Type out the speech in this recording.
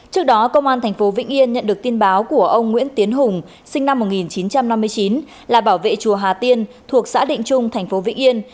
trước đó công an tp vĩnh yên nhận được tin báo của ông nguyễn tiến hùng sinh năm một nghìn chín trăm năm mươi chín là bảo vệ chùa hà tiên thuộc xã định trung thành phố vĩnh yên